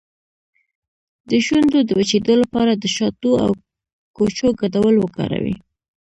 د شونډو د وچیدو لپاره د شاتو او کوچو ګډول وکاروئ